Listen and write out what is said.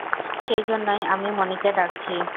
সেইজন্যই আমি মণিকে ডাকছি।